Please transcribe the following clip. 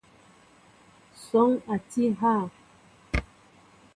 Sɔɔŋ a tí hà ?